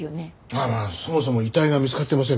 まあまあそもそも遺体が見つかってませんからね。